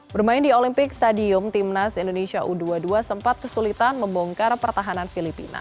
bermain di olympic stadium timnas indonesia u dua puluh dua sempat kesulitan membongkar pertahanan filipina